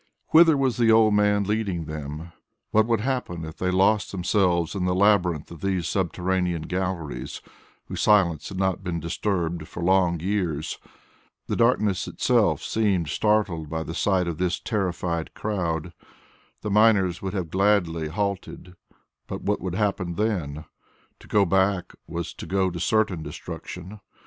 Whither was the old man leading them? What would happen if they lost themselves in the labyrinth of these subterranean galleries, whose silence had not been disturbed for long years? The darkness itself seemed startled by the sight of this terrified crowd. The miners would have gladly halted, but what would happen then? To go back was to go to certain destruction.